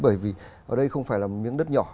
bởi vì ở đây không phải là miếng đất nhỏ